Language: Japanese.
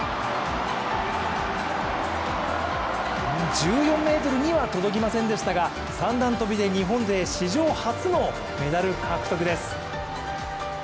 １４ｍには届きませんでしたが三段跳びで日本勢史上初のメダル獲得です。